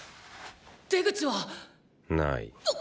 出口は⁉ない。